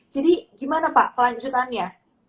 jadi gimana pak kelanjutannya